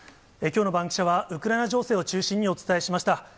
きょうのバンキシャは、ウクライナ情勢を中心にお伝えしました。